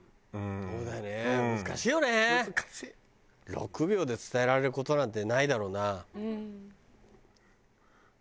６秒で伝えられる事なんてないだろうな。